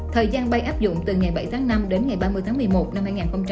thời gian bay áp dụng từ ngày bảy tháng năm đến ngày ba mươi tháng một mươi một năm hai nghìn hai mươi